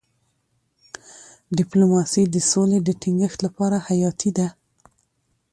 ډيپلوماسي د سولې د ټینګښت لپاره حیاتي ده.